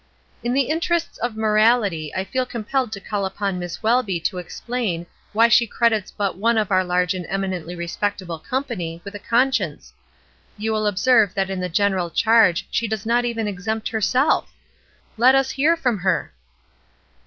"In the interests of morality I feel compelled to call upon Miss Welby to explain why she credits but one of our large and eminently respectable company with a conscience. You will observe that in the general charge she does 130 ESTER RIED'S NAMESAKE not even exempt herself! Let us hear from her."